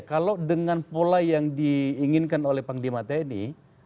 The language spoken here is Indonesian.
kalau dengan pola yang diinginkan oleh panglima tni